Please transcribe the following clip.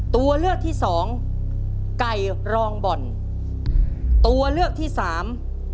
ตัวเลือกที่สองไก่รองบ่อนตัวเลือกที่สาม